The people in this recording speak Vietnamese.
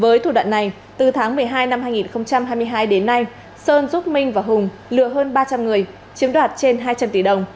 với thủ đoạn này từ tháng một mươi hai năm hai nghìn hai mươi hai đến nay sơn giúp minh và hùng lừa hơn ba trăm linh người chiếm đoạt trên hai trăm linh tỷ đồng